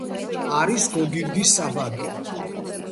არის გოგირდის საბადო.